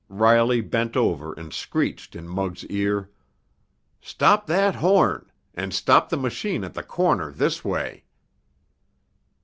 Riley bent over and screeched in Muggs' ear: "Stop that horn! And stop the machine at the corner this way!"